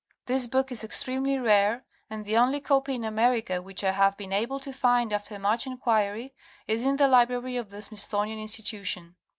This book is extremely rare, and the only copy in America which I have been able to find after much enquiry, is in the library of the Smithsonian Institution.